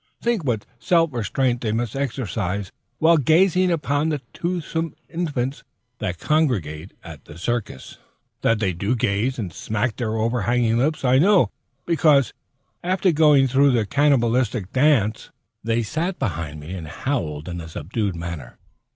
Think what self restraint they must exercise while gazing upon the toothsome infants that congregate at the circus! That they do gaze and smack their overhanging lips I know, because, after going through their cannibalistic dance, they sat behind me and howled in a subdued manner.